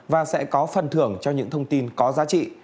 và sẽ có phần thưởng cho những thông tin có giá trị